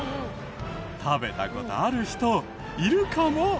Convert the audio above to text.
食べた事ある人いるかも。